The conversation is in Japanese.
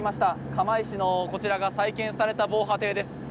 釜石のこちらが再建された防波堤です。